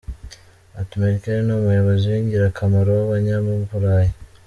Ati “Merkel ni umuyobozi w’ingirakamaro w’Abanyaburayi.